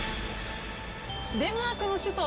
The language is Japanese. デンマークの首都